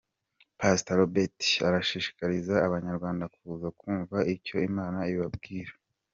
Pastor Robert arashishikariza abanyarwanda kuza kumva icyo Imana ibabwira.